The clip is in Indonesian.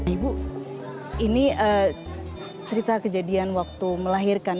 ibu ini cerita kejadian waktu melahirkan